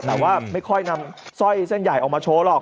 แต่ว่าไม่ค่อยนำสร้อยเส้นใหญ่ออกมาโชว์หรอก